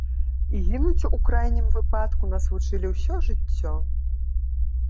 І гінуць у крайнім выпадку нас вучылі ўсё жыццё.